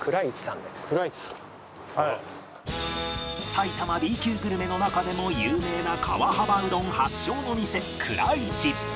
埼玉 Ｂ 級グルメの中でも有名な川幅うどん発祥の店久良一